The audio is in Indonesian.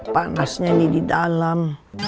panasnya ini di dalam